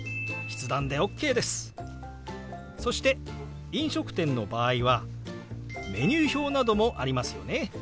そして飲食店の場合はメニュー表などもありますよね。